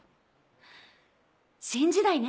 新時代ね。